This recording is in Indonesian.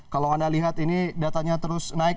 kalau anda lihat ini datanya terus naik